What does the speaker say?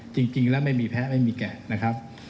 จริงแล้วไม่มีแพ้ไม่มีแกะนะครับ